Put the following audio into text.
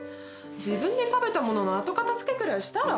自分で食べたものの後片づけくらいしたら？